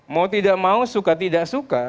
mau tidak mau suka tidak suka